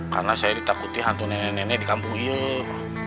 karena saya ditakuti hantu nenek nenek di kampung yuk